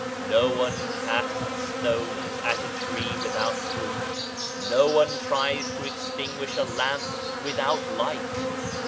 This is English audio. No one casts stones at a tree without fruit ! No one tries to extinguish a lamp without light